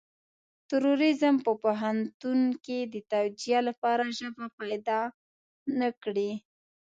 تروريزم په پوهنتون کې د توجيه لپاره ژبه پيدا نه کړي.